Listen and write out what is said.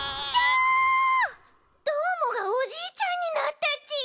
どーもがおじいちゃんになったち！